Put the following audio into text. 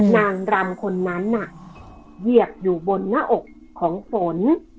นางรำคนนั้นน่ะเหยียบอยู่บนหน้าอกของฝน